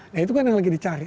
nah itu kan yang lagi dicari